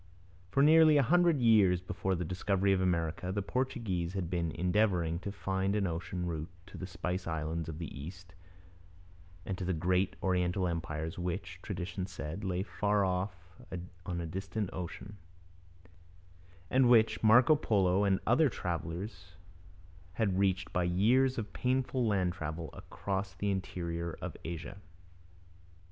For nearly a hundred years before the discovery of America the Portuguese had been endeavouring to find an ocean route to the spice islands of the East and to the great Oriental empires which, tradition said, lay far off on a distant ocean, and which Marco Polo and other travellers had reached by years of painful land travel across the interior of Asia.